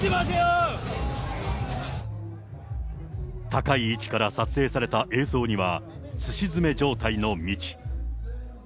高い位置から撮影された映像には、すし詰め状態の道。